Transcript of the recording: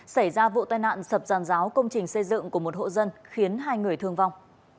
xảy ra vụ tai nạn sập giàn giáo công trình xây dựng của một hộ dân khiến hai người thương vong